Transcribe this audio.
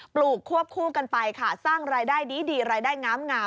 ลูกควบคู่กันไปค่ะสร้างรายได้ดีรายได้งาม